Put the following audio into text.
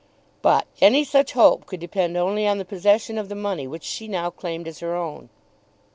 But any such hope could depend only on the possession of the money which she now claimed as her own.